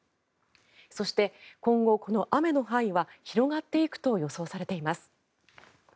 そして、今後この雨の範囲は広がっていくと予想されています。